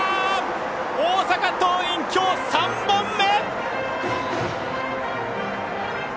大阪桐蔭、きょう３本目！